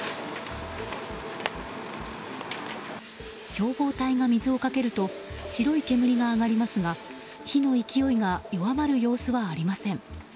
消防隊が水をかけると白い煙が上がりますが火の勢いが弱まる様子はありません。